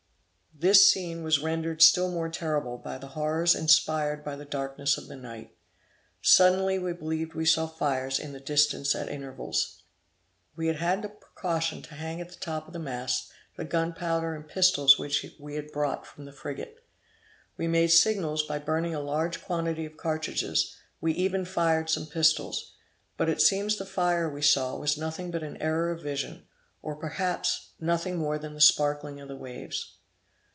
This scene was rendered still more terrible, by the horrors inspired by the darkness of the night. Suddenly we believed we saw fires in the distance at intervals. We had had the precaution to hang at the top of the mast, the gunpowder and pistols which we had brought from the frigate. We made signals by burning a large quantity of cartridges; we even fired some pistols, but it seems the fire we saw, was nothing but an error of vision, or, perhaps, nothing more than the sparkling of the waves.